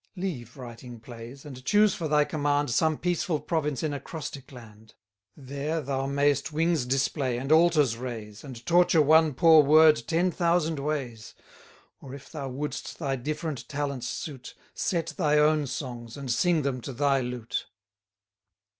Leave writing plays, and choose for thy command, Some peaceful province in Acrostic land. There thou mayst wings display and altars raise, And torture one poor word ten thousand ways. Or, if thou wouldst thy different talents suit, Set thy own songs, and sing them to thy lute.